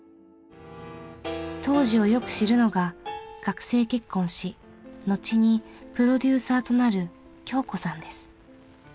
当時をよく知るのが学生結婚し後にプロデューサーとなる恭子さんです。